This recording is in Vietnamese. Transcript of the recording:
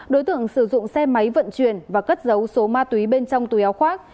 đối tượng sử dụng xe máy vận chuyển và cất giấu số ma túy bên trong túi áo khoác